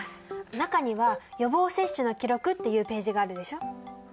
中には予防接種の記録っていうページがあるでしょ？